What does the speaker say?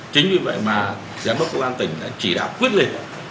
chính vì vậy mà giám đốc công an tỉnh đã chỉ đạo quyết liệt